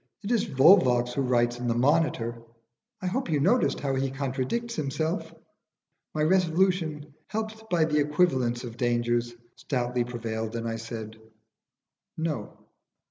It is Volvox who writes in the 'Monitor,' I hope you noticed how he contradicts himself?" My resolution, helped by the equivalence of dangers, stoutly prevailed, and I said, "No."